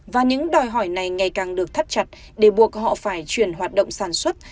và những đòi hỏi này ngày càng được thắt chặt để buộc họ phải chuyển hoạt động sản xuất